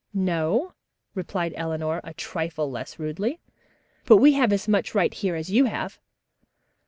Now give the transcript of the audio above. "No," replied Eleanor a trifle less rudely, "but we have as much right here as you have."